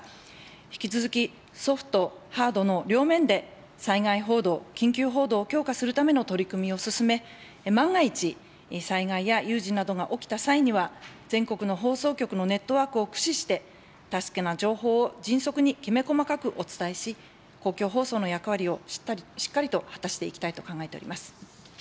引き続きソフト、ハードの両面で災害報道、緊急報道を強化するための取り組みを進め、万が一、災害や有事などが起きた際には、全国の放送局のネットワークを駆使して、確かな情報を迅速にきめ細かくお伝えし、公共放送の役割をしっかりと果たしていきたいと考えております。